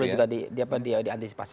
itu juga perlu diantisipasi